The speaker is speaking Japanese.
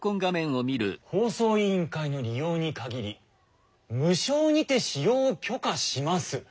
「放送委員会の利用に限り無償にて使用を許可します」。